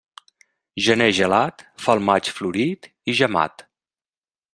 Gener gelat fa el maig florit i gemat.